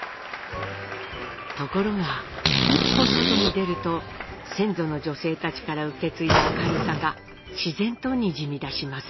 ところが一歩外に出ると先祖の女性たちから受け継いだ明るさが自然とにじみ出します。